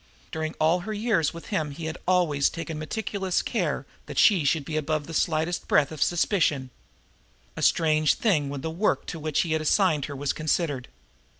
During all her years with him he had always taken meticulous care that she should be above the slightest breath of suspicion a strange thing when the work to which he had assigned her was considered.